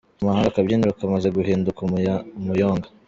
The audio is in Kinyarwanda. Muhanga Akabyiniro kamaze guhinduka umuyonga